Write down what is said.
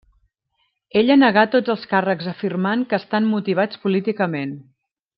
Ella negà tots els càrrecs afirmant que estan motivats políticament.